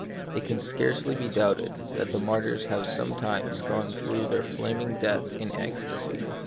It can scarcely be doubted that mar tyrs have sometimes gone through their flam ing death in ecstasy.